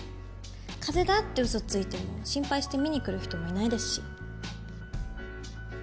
風邪だって嘘ついても心配して見に来る人もいないですし。